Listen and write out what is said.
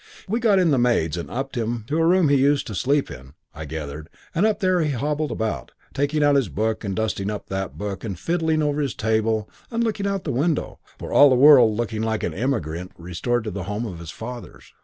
We got in the maids and upped him, to a room he used to sleep in, I gathered, and up there he hobbled about, taking out this book and dusting up that book, and fiddling over his table, and looking out of the window, for all the world like an evicted emigrant restored to the home of his fathers.